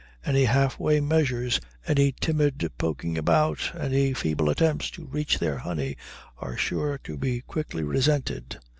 Any half way measures, any timid poking about, any feeble attempts to reach their honey, are sure to be quickly resented.